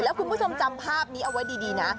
แล้วคุณผู้ชมจำภาพนี้เอาไว้ดีนะ